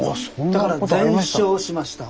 だから全焼しました。